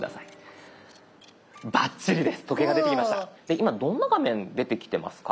今どんな画面出てきてますか？